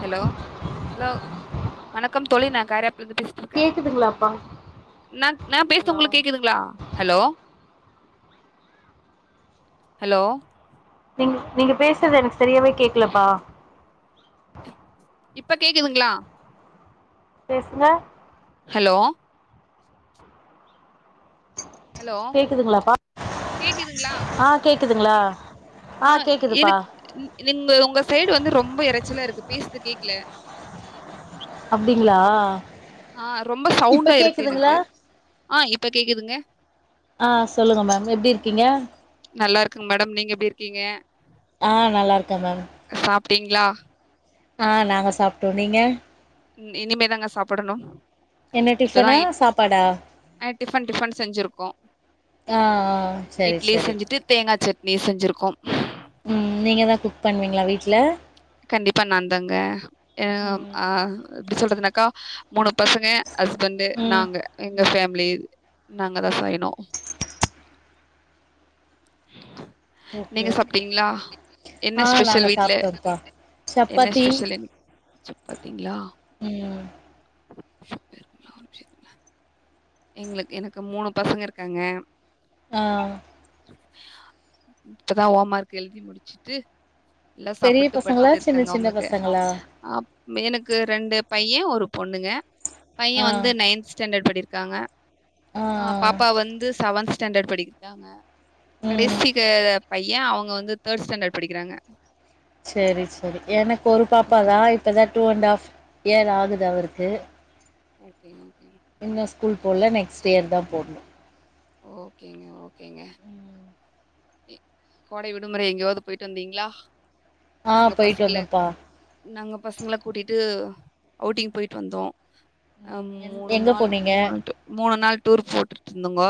hello hello வணக்கம் தோழி ந கரப் [unintelligible] பேசிட்ருக்க ந நான் நா பேசற்து உங்களுக்கு கேக்குதுங்ளா ஹலோ ஹலோ நீங் நீங்க பேசுற்து எனக்கு செரியாவே கேக்லப்பா இப்ப கேக்குதுங்ளா பேசுங்க ஹலோ கேக்குதுங்களாப்பா அஆ கேக்குதுங்ளா அ எனக் நி நின் க உங்க சைடு வந்து ரொம்ப எறச்சலா இருக்கு பேஸ்து கேக்ல அப்டிங்ளா அ ரொம்ப சவுண்டா இருக்கு எனக்கு அ இப்ப கேக்குதுங்க அ சொல்லுங்க மேம் எப்டி இருக்கீங்க க்க மேடம் நீங்க எப்டி இருக்கீங்க அ நல்லாருக்கே மேம் சாப்டீங்ளா அ நாங்க சாப்ட்டோம் நீங்க இ இனிமே தாங்க சாப்பிடனு இப்பதா இட் அ டிஃபன் டிஃபன் செஞ்சிருக்கோ இட்லி செஞ்சுட்டு தேங்கா சட் னி செஞ்சிருக்கோம் ம் நீங்க தா குக் பண்ணுவீங்ளா வீட்ல கண்டிப்பா நாந்தாங்க எ ஆ எப்டி சொல்றதுனாக்கா மூணு பசங்க ஹஸ்பண்ட்டு நாங்க எங்க ஃபேமிலி நாங்கதா சய்னோ நீங்க சாப்ட்டீங்ளா என்ன ஸ்பெஷல் வீட்ல என்ன ஸ்பெஷல் என் சப்பாத்திங்ளா [inaudible] எங்களுக் எனக்கு மூணு பசங்க இருக்காங்க ஆ இப்பதா ஓமா்க் எழுதி முடிச்சிட்டு எல்லா சாப்புட்டு படுத்துட் இருக்காங்க உங்குளுக்கு ஆ ம் எனக்கு ரெண்டு பையே ஒரு பொண்ணுங்க பையே வந்து நைன்த் ஸ்டாண்டட் படிற் காங்க ஆ பாப்பா வந்து சவன்த் ஸ்டாண்டட் படிக் [inaudible] காங்க கடைசில பைய அவுங்க வந்து தேட் ஸ்டாண்டட் படிக்கிறாங்க செரி செரி எனக்கு ஒரு பாப்பாதா இப்பதா டூ அண்டு ஆஃப் இயர் ஆகுது அவருக்கு ஓகே போல்ல நெக்ஸ்ட் இயர் தா போட்ணு ஓகேங்க ஓகேங்க கோடை விடுமுறை எங்யோது போயிட்டு வந்தீங்ளா ஆ போயிட்டு வந்தோம்ப்பா பசங்கள கூட்டிட்டு அவுட்டிங் போய்ட்டு வந்தோ அம் மூணு நாள் மூணு டூ மூணு நாள் டூர் போட்டுட்ருந்தங்கோ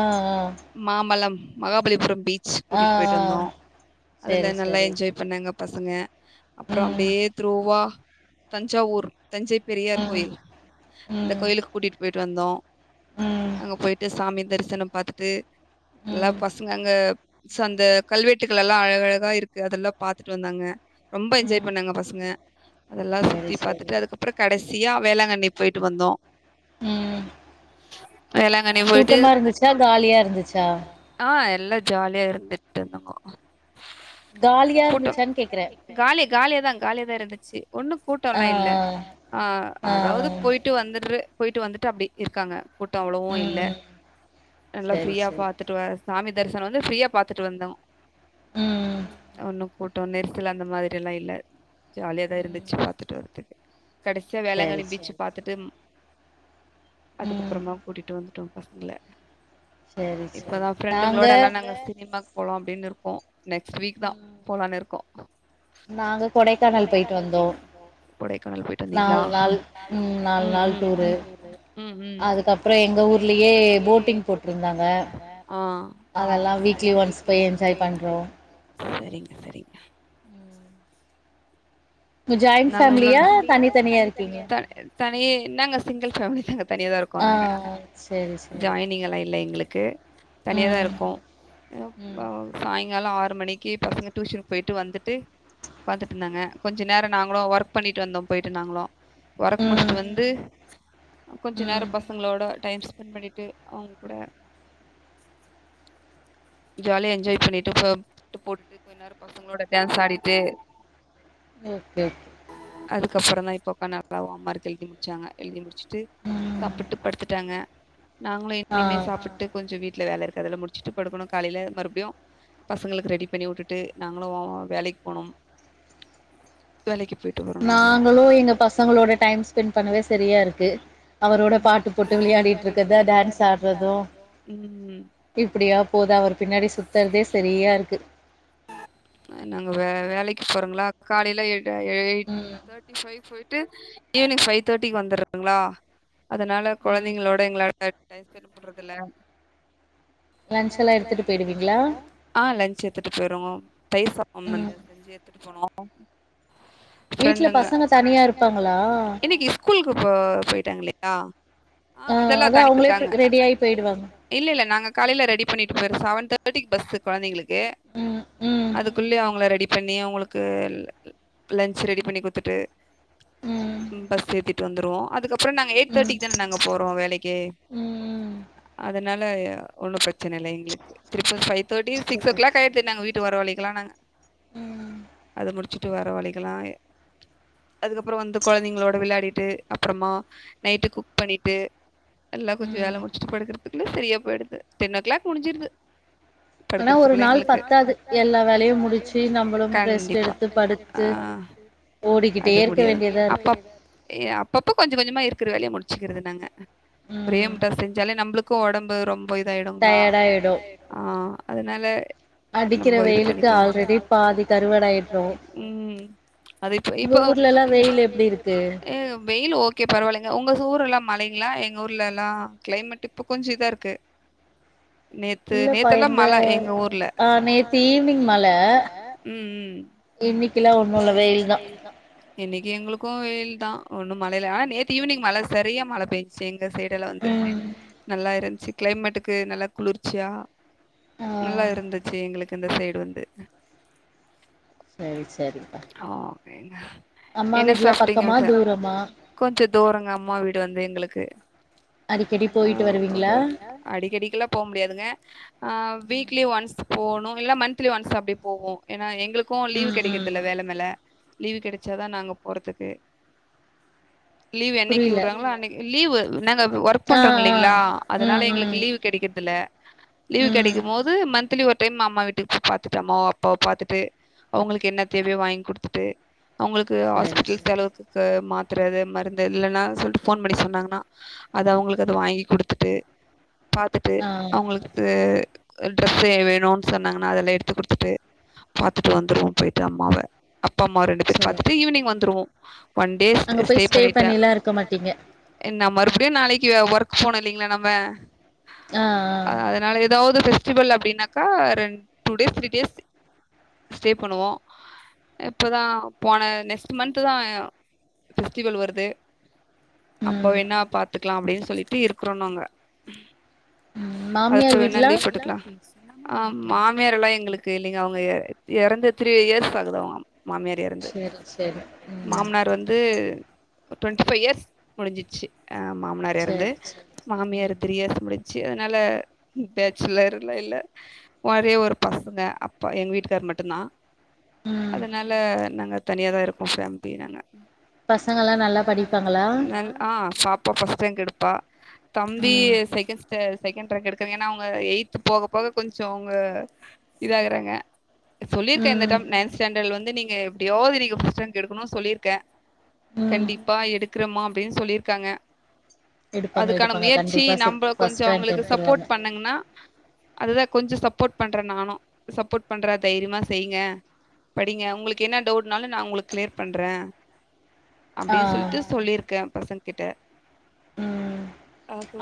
ஆ ஆ மகாபலிபுரம் பீ ச் கூட்டிட்டு போயிட்டு வந்தோ அதுல நல்லா என்ஜாய் பண்ணாங்க பசங்க அப்புறோ அப்டியே த்ருோவா தஞ்சாவூர் தஞ்சை பெரியார் கோயில் அந்த கோயிலுக்கு கூட்டிட்டு போய் ட்டு வந்தோ அங்க போய் தாமி தரிசனம் பாத்துட்டு எல்லா பசங்க அங்க ஸ் அந்த கல்வெட்டுக்கள் எல்லா அழகழகா இருக்கு அதெல்லா பாத்துட்டு வந்தாங்க ரொம்ப என்ஜாய் பண்ணாங்க பசங்க அதெல்லா சுத்தி பாத்துட்டு அதுக்கப்புற கடைசி யா வேளாங்கண்ணி போயிட்டு வந்தோ வேளாங் கூட்டமா இருந்துச்சா காலியா இருந்துச்சா அ எல்லா ஜாலியா இருந்துட்டு இருந்தங்க கூட்டம் காலி- காலியாதா காலியாதா இருந்துச்சு ஒன்னும் கூட்டலா இல்ல அ அதாவது போய்ட்டு வந்து [unintelligible] போய்ட்டு வந்துட்டு அப்டி இருக்காங்க கூட்டோ அவ்ளோவு இல்ல நல்லா ஃப்ரீயா பாத்துட்டு வ சாமி தரிசன வந்து ஃப்ரீயா பா்த்துட்டு வந்தோ ஒன்னுக் கூட்டம் நெரிசல் அந்த மாதிரி எல்லா இல்ல ஜாலியதா இருந்துச்சு பாத்துட்டு வ தே கடசியா வேளாங்கணி பீச் பாத்துட்டு அதுக்கப்றமா கூட்டிட்டு வந்து ட்டு பசங்கள இப்பதா ஃப்ரெண்டுங்ளோட எல்லா நாங்க சினிமாக் போலா அப்டின்னிற்கோ நெக்ஸ்ட் வீக்தா போலான் இருக்கோ நாங்க கொடைக்கானல் போய்ட்டு வந்தோ கொடைக்கானல் போய்ட்டு வந்தீங்களா ம் ம் ம் ம் ம் ஆ செரிங்க செரிங்க இப்ப ஜாயிண்ட் ஃபேமிலியா தனித்தனியா இருக்கீங்களா தனி நாங்க சிங்கிள் ஃபேமிலி தா தனியாதாருக்கோ நாங்க ஜாயினிங்லா இல்ல எங்களுக் ஓ கே தனியாதா இருக்குகோ அ ஃபைன் இங்கல்லா ஆறு மணிக்கு பசங்க டியூஷன் போயிட்டு வந்துட்டு உக்காந்துட்டுருந்தாங்க கொஞ்ச நேர் நாங்களும் ஒர்க் பண்ணிட்டு வந்தோ போயிட்டு நாங்களும் ஒர்க் முடிச்சட்டு வந்து கொஞ்ச நேர பசங்களோட டைம் பண்ணிட்டு அவங்க கூட ஜாலியா என்ஜாய் பண்ணிட்டு இட்டு போட்டுட்டு கொஞ்ச நேர பசங்களோட டான்ஸ் ஆடிட்டு ஓகே அதுக்கப்புறதா இப்ப பண்ணாத ஹோம் ஒர்க் எழுதி முடிச்சாங்க எழுதி முடிச்சு டு சாப்புட்டு படுத்துட்டாங்க நாங்ளு [inaudible] சாப்பிட்டு கொஞ்சோ வி ட்ல வேல இருக்கு அதுல முடிச்சுட்டு படுக்குணு காலைல மறுப்டியு பசங்களுக்கு ரெடி பண்ணி உட்டுட்டு நாங்களு வேலைக் போணும் வேலைக்கி நாங்களு எங்க பசங்களோட டைம் ஸ்பெண் பண்ணவே செரியாரு க்கு அவரோட பாட்டு போட்டு விளையாடிட்டு இருக்கர்து டான்ஸ் ஆட்றது இப்டியா போது அவர் பின்னாடி சுத்தறதே செரியாருக்கு அ நாங்க வே வேலைக்கு போறங்ளா காலைல எ ட எய் தேட்டி ஃபைவ் [unintelligible] ட்டு ஈவ்னிங் ஃபை தேட்டிக்கு வந்தர்துங்ளா அதனால கொழந்தைங்களோட [inaudible] டைம் ஸ்பெண் பண்றதில்ல லன்ச்செல்லா எடுத்துட்டு போயிடுவீங்ளா த்துட்டு போய்ருவோ [inaudible] ‌ செஞ்சு எத்துட்டு போனோ ம் ஃப்ரண்டுங்க இன்னைக்கு ஸ்கூலுக்கு போ போயிட்டாங்களே ஆ ஆ அதெல்லா தனியா இருக்காங் இல்ல இல்ல நாங்க காலையில் ரெடி பண்ணிட்டு போயிடுவோ செவன் தேர்ட்டிக்கு பஸ்ஸு குழந்தைங்களுக்கு அதுக்குள்யே அவங்கள ரெடி பண்ணி அவங்களுக்கு ல லன்ச் ரெடி பண்ணி குத்துட்டு பஸ் ஏத்தி வந்துடுவோ அதுக்கப் அப்புறம் நாங்க எயிட் தேர்டிக்கு தானே நாங்க போறோ வேலைக்கி ஆ அதனால ஒண்ணு பிரச்ச சன இல்ல எங்களுக்கு [unintelligible] five thirty six o'clock இது நாங்க வீட்டு வரவழிக்கலா நாங்க அது முட் முச்சுட்டு வர வழிக்கலா அதுக்கப்புற வந்து குழந்தைங்களோட விளையாடிட்டு அப்புறமா நைட்டு குக் பண்ணிட்டு எல்லா கொஞ்ச வேல முடிச்சிட்டு படுக்கறது சரியா போயிடுது டென் ஓ கிளாக் முடிஞ்சிருது படுக்கறதுக் பிள்ளைங்களுக்கு கண்டிபா அது முடியாது அப்ப அப்ப கொஞ்ச கொஞ்சமா இருக்கற வேலைய முடிச் ச்சுக்கிறது நாங்க ஒரே முட்ட செஞ்சாலே நம்மளுக்கு ஒடம்பு ரொம் போய் இத ஆயடுங்களா டயடா ஆய்டு ஆ அதனால நம்ம இது பண்ணிக்கலா உம் அது இப்ப இப்போ ஆ வெயில் ஓகே பரவில்லைங்க உங்க ஊர் எல்லா மழைங்களா எங்க ஊர்ல எல்லா கிளைமேட் இப்ப கொஞ்ச இதா இருக்கு நேத்து நேத்த எல்லா மழ எங்க ஊர் ஊம் இன்னைக்கு எங்கலுக்கு வெயில் தா ஒன்னு மழ இல்ல ஆனா நேத்து ஈவினிங் மழ சரியா மழ பேய்ஞ்சுச்சு இந்த சைடல வந்து நல்லா இருந் சி கிளைமேட்டுக்கு நல்லா குளிர்ச்சியா நல்லா எங்களுக்கு இந்த சைடு வந்து செரி செரிப்பா வேண்டா என்ன சாப்ட்டீங்க [inaudible] கொஞ்ச தூரங்க அம்மா வீடு வந்து எங்களுக்கு அ [inaudible] அடிக்கடிக்கெல்லா போ முடியாதுங்க அ வீக்லி ஒன்ஸ் போனு இல்ல மன்த்லி ஒன்ஸ் அப்டி போவோ ஏனா எங் களுக்கு லீவ் கெடைக்கறதில்ல வேலனால லீவ் கெடச்சா தா நாங்க போறதுக்கு லீவ் என்னைக்கு உட்றாங்களோ அன்னைக்கு லீவு நாங்க ஒர்க் பண்றோ இல்லீங்களா அதுனால எங்களுக்கு லீவ் கெடைக்கற்தில்ல லீவ் கெடைக்கு மோது மன் த்லி ஒரு டைம் அம்மா வீட்டுக்கு போய் பாத்துட்டு அம்மாவ அப்பாவ் பாத்துட்டு அவுங்களுக்கு என்ன தேவையோ வாங் குடுத்துட்டு அவுங்களுக்கு ஹாஸ்பிட்டல் செலவுக்குக்கு மாத்தர எது மருந்தில்லனா சொல்ட்டு ஃபோன் பண்ணி சொன்னாங்கனா அது அவுங்களுக்கு அது வாங்கி குடுத்துட்டு பாத்துட்டு அவுங்களுக்கு அ ட்ரஸ் சே வேணுன் சொன்னாங்கன்னா அதெல்லா எடுத்து குடுத்துட்டு பாத்துட்டு வந்துருவோ போய்ட்டு அம்மாவ அப்பா அம்மா ரெண்டு பேர பாத்துட்டு ஈவினிங் வந்துருவோ ஒன்டே ஸ்ட் ஸ்டே பண்ணிட்டு எ நா மறுபடி நாளைக்கு ஒர்க் போனு இல்லீங்களா நம்ம ஆ அதனால எதாவ்து பெஸ்டிவல் அப்டி னாக்கா ரெண் டூ டேஸ் த்ரீ டேஸ் ஸ்டே பண்ணுவோ இப்ப தா போன நெக்ஸ்ட் மன்த்து தா அ எ ஃபெஸ்டிவல் வருது அப்போ வேனா பாத்துக்கலா அப்டி சொல்லிட்டு இருக்கறோ நாங்க அதுக்கு வேணா லீவ் போட்டுக்கலா ஆ மாமியார் எல்லா எங்களுக்கு இல்லீங்க அவங்க எ எறந்து த்ரீ இயர்ஸ் ஆகுது அவங்கம் மாமியார் எறந்து மாமனார் வந்து டுவண்ட்டி ஃபை இயர்ஸ் முடிஞ்சிர்ச்சு ஆ மாமனார் எறந்து மாமியார் த்ரீ இயர்ஸ் முடிஞ் ச்சு அதுனால பேச்சுலர்லா இல்ல ஒரே ஒரு பசங்க அப்பா எங் வீட்டுக்கார் மட்டுந்தா அதுனால நாங்க தனியா தா இருக்கோ ஃபேம்லி நாங்க நன் ஆ பாப்பா ஃபஸ்ட் ரேங்க் எடுப் பா தம்பி செகண்ட் ஸ்டே செகண்ட் ரேங்க் எடுக்காங் ஏன்னா அவுங்க எய்த்து போக போக கொஞ்சோ அவுங்க இதாகுறாங்க சொல்லிருக்கே இந்த டம் நைன் ஸ்டாண்டர்ட்ல வந்து நீங்க எப்டியாவது நீங்க ஃபஸ்ட் ரேங்க் எடுக்கணு சொல்லிருக்கே கண்டிப்பா எடுக்கறம்மா அப்டின் சொல்லிருக்காங்க அதுக்கான முயற்சி நம்ப கொஞ்சோ அவங்களுக்கு சப்போட் பண்ணங்ன்னா அதுதா கொஞ்ச சப்போட் பண்ணற நானு சப்போட் பண்ற தைரியமா செய்ங்க படிங்க உங்குளுக்கு என்ன டவுட்னாலு நா உங்குளுக்கு கிளியர் பண்றே அப்டின் சொல்லிட்டு சொல்லிருக்கே பசங்க கிட்ட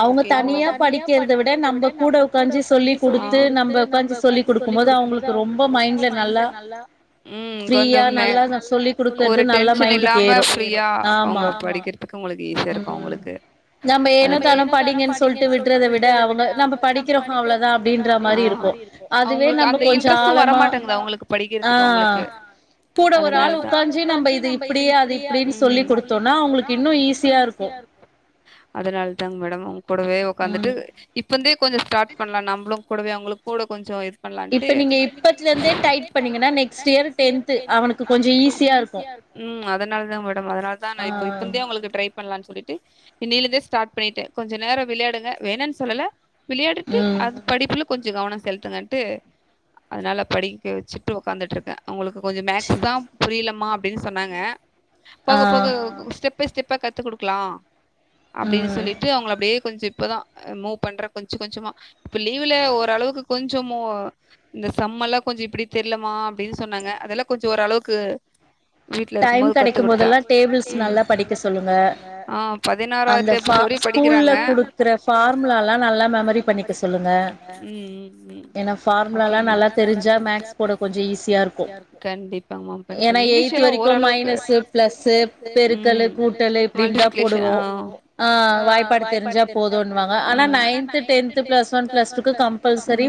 அவங்க தனியா படிக்கிறத விட நம்ம கூட உக்காஞ்சி கொஞ்ச அ சொல்லி குடுத்து நம்ப உக்காஞ்சி சொல்லி குடுக்கும் போது அவுங்குளுக்கு ரொம்ப மைண்டு நல்லா ம் கொஞ்சம் ஒரு டென்ஷன் இல்லாம ஃப்ரியா அவுங்க படிக்கறதுக்கு அவுங்களுக்கு ஈஸியா இருக்கு அவுங்களுக்கு தென படிங்கனு சொல்ட்டு விடறத விட அவுங்க நம்ம படிக்கறோ அவ்ளதா இவ்ளதா அப்படின்ற மாரி இருக்கு அவங்களுக்கு அந்த இன்ட்ரஸ்டு வரமாட்டங்குது அவுங்குளுக்கு படிக்கிறதுக்கு அவுங்களுக்கு அதனாலதா கூட ஒரு ஆள் உக்காஞ்சு ம் நம்ம இது இப்டி அது இப்டினு சொல்லி குடுத்தோனா அவுங்குளுக்கு இன்னு ஈஸியா இருக்கு அதனாலதாங் மேடம் உங் கூடவே உக்காந்துட்டு இப் இப்பருந்தே கொஞ்ச ஸ்டார்ட் பண்லா நம்புளு கூடவே அவுங்களுக் கூட கொஞ்ச இது பண்லான்ட்டு நீங்க இப்பத்துலருந்தே டைட் பண்ணிங்கனா நெக்ஸ்ட் இயர் டென்த்து அவனுக்கு கொஞ்ச ஈஸியா இருக்கு ம் அதனாலதாங் மேடம் அதனாலதா நா இப்ப இப்பருந்தே ட்ரை பண்ணலா சொல்லி ட்டு இன்னைலருந்தே ஸ்டார்ட் பண்ணிட்டே கொஞ்ச நேர விளையாடுங்க வேணான் சொல்லல விளையாடிட்டு அது படிப்புல கொஞ்ச கவன செலுத்துங்கன்ட்டு அதனால படிக்க வச்சிட்டு ஒக்காந்துட்டுருக்கே உங்குளுக்கு கொஞ்ச மேக்ஸ் தா புரிலமா அப்டின் சொன்னாங்க போக போக ஸ்டெப் பல ஸ்டெப்பா கத்து குடுக்லா அப்டினு சொல்லிட்டு அவங்கள அப்படியே கொஞ்சப் பதா மூவ் பண்றே கொஞ்ச கொஞ்சமா இப்ப லீவ்ல ஓரளவுக்கு கொஞ் சும்மோ ஒ இந்த சம்மெல்லா கொஞ்சோ இப்டி தெர்லமா அப்டின் சொன்னாங்க அதெல்லா கொஞ்சோ ஓரளவுக்கு வீட்லருக்கும் போது கத்துகுத்தே ம் ஆ பதினாறாவ் டேபிள்ஸ் வரீக்கூ நல்லா படிக்கிறாங்க ம் ம் ம் ஓகே மேம் கண்டிப்பா மேம் இங்கிலிஷல்லா போ மைனஸு பிளஸ்ஸு பெருக்கலு கூட்டலு இப்டின் தா போடுவோ ஆ வாய்ப்பாடு தெரிஞ்சா போதுன்வாங்க ஆனா நைன்த்து டென்த்து ப்ளஸ் ஒன்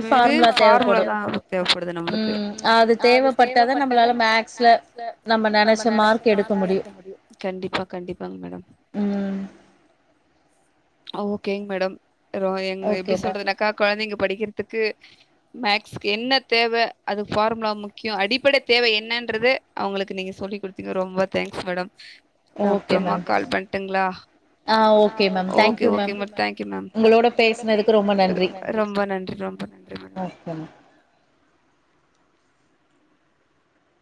வெறூ ஃபார்முலா தா தேவப்படுது நம்மளுக்கு கண்டிப்பா கண்டிப்பாங் மேடம் ஓகேங் மேடம் ரோ எங்க எப்டி சொல்றது ந இங்க படிக்கிறதுக்கு மேக்ஸ்கு என்ன தேவ அது ஃபார்முலா முக்கியோ அடிப்பட தேவ என்னன்றது அவுங்களுக்கு நீங்க சொல்லிக்குடுத்தீங்க ரொம்ப தேங்க்ஸ் மேடம் நா அப்புறமா கால் பண்ட்டுங்களா okay okay ma'am thank you ma'am ரொம்ப நன்றி ரொம்ப நன்றி மேடம்